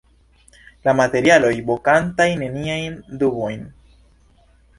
La materialoj, vokantaj neniajn dubojn.